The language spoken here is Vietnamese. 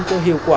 cho hiệu quả